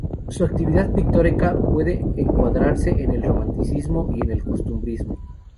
Su actividad pictórica puede encuadrarse en el Romanticismo y el Costumbrismo.